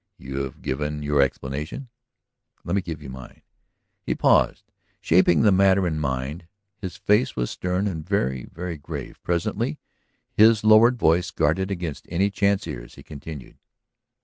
You have given your explanation; let me give mine." He paused, shaping the matter in mind. His face was stern and very, very grave. Presently, his lowered voice guarded against any chance ears, he continued.